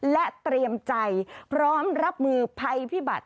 และเตรียมใจพร้อมรับมือภัยพิบัติ